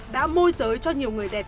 đã môi giới cho nhiều người đẹp